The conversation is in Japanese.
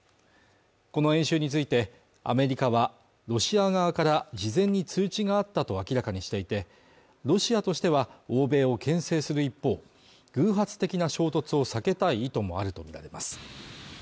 この演習についてアメリカはロシア側から事前に通知があったと明らかにしていてロシアとしては欧米をけん制する一方偶発的な衝突を避けたい意図もあると見られます